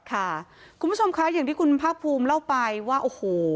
คุณผู้ชมคะอย่างที่คุณภาคภูมิเล่าไปว่าโอ้โห